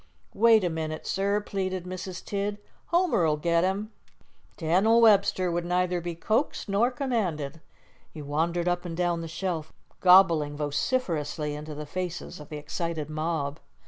"Wait a minute, sir," pleaded Mrs. Tidd. "Homer'll get him." Dan'l Webster would neither be coaxed nor commanded. He wandered up and down the shelf, gobbling vociferously into the faces of the excited mob.